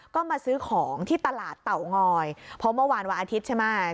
ก็มาซื้อของที่ตลาดเตางอยเพราะเมื่อวานวันอาทิตย์ใช่ไหม